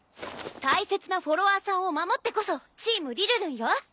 大切なフォロワーさんを守ってこそチーム・りるるんよ。